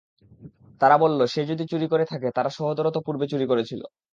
তারা বলল, সে যদি চুরি করে থাকে তার সহোদরও তো পূর্বে চুরি করেছিল।